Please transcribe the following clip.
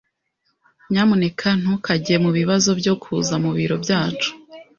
Nyamuneka ntukajye mubibazo byo kuza mubiro byacu.